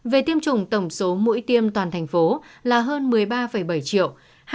về tiêm chủng tổng số mũi tiêm toàn thành phố là hơn một mươi ba bảy triệu